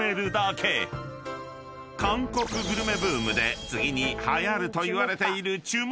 ［韓国グルメブームで次にはやるといわれている］